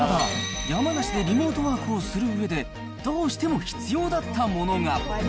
ただ、山梨でリモートワークするうえで、どうしても必要だったものが。